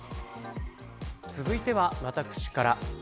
続いては私から。